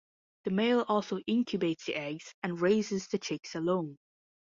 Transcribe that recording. The male also incubates the eggs and raises the chicks alone.